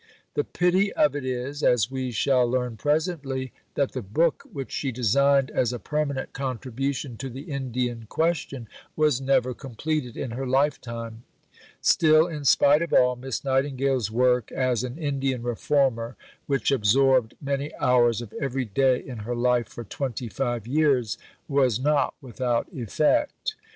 The pity of it is, as we shall learn presently, that the book which she designed as a permanent contribution to the Indian question was never completed in her life time. Still, in spite of all, Miss Nightingale's work as an Indian Reformer, which absorbed many hours of every day in her life for twenty five years, was not without effect.